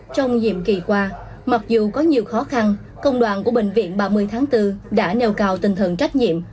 trong nhiệm kỳ qua mặc dù có nhiều khó khăn công đoàn của bệnh viện ba mươi tháng bốn đã nêu cao tinh thần trách nhiệm